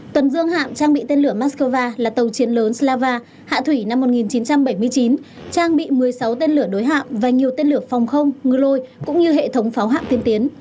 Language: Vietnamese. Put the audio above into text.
tuần dương hạm trang bị tên lửa moscow là tàu chiến lớn slava hạ thủy năm một nghìn chín trăm bảy mươi chín trang bị một mươi sáu tên lửa đối hạm và nhiều tên lửa phòng không ngư lôi cũng như hệ thống pháo hạm tiên tiến